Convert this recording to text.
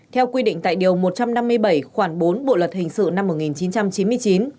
theo quy định tại điều một trăm năm mươi bảy khoảng bốn bộ luật hình sự năm một nghìn chín trăm chín mươi chín